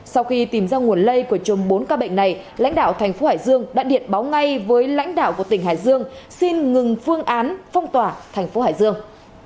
sau khi tìm ra nguồn lây của chùm bốn ca bệnh này lãnh đạo thành phố hải dương đã điện báo ngay với lãnh đạo của tỉnh hải dương xin ngừng phương án phong tỏa thành phố hải dương